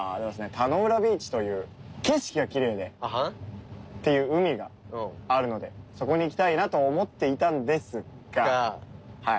田ノ浦ビーチという景色がきれいでっていう海があるのでそこに行きたいなと思っていたんですがはい。